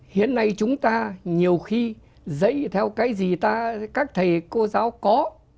hiện nay chúng ta nhiều khi dạy theo cái gì ta các thầy cô giáo có